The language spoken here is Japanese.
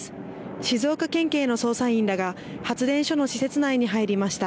静岡県警の捜査員らが発電所の施設内に入りました。